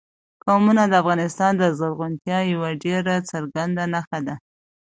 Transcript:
قومونه د افغانستان د زرغونتیا یوه ډېره څرګنده نښه ده.